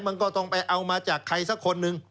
มันก็ต้องไปเอามาจากใครสักคนหนึ่ง